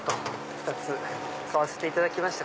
２つ買わせていただきました